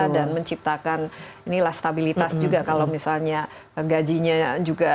dan menciptakan inilah stabilitas juga kalau misalnya gajinya juga